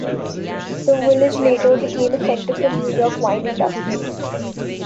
The village later became a center for the New York wine industry.